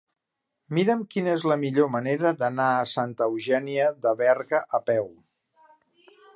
Mira'm quina és la millor manera d'anar a Santa Eugènia de Berga a peu.